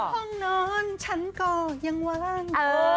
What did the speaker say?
ห้องนอนฉันก็ยังว่าง